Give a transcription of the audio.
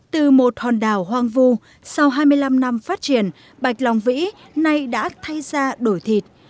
từ một hòn đảo hoang vu sau hai mươi năm năm phát triển bạch long vĩ nay đã thay ra đổi thịt